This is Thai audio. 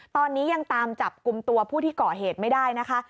ตอนนี้ยังตามจับกลุ่มตัวผู้ที่ก่อเหตุไม่ได้นะคะ